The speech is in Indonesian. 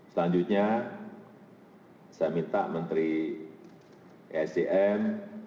selanjutnya saya minta menteri esdm